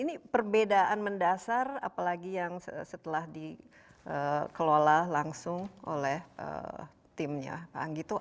ini perbedaan mendasar apalagi yang setelah dikelola langsung oleh timnya pak anggito